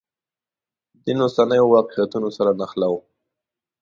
دین اوسنیو واقعیتونو سره نښلوو.